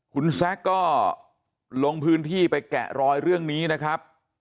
คุณแซคก็ลงพื้นที่ไปแกะรอยเรื่องนี้นะครับ